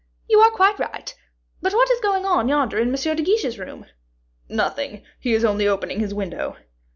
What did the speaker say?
"You are quite right; but what is going on yonder in M. de Guiche's room?" "Nothing; he is only opening his window."